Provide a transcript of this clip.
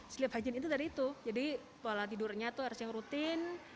sleep hygiene itu dari itu jadi pola tidurnya itu harus yang rutin